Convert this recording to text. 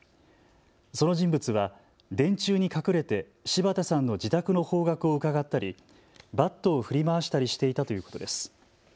その人物は電柱に隠れて柴田さんの自宅の方角をうかがったりバットを振り回したりしていたということです。